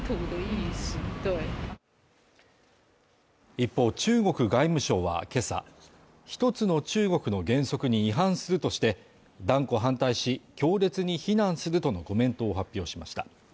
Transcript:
一方、中国外務省は今朝、一つの中国の原則に違反するとして断固反対し、強烈に非難するとのコメントを発表しました。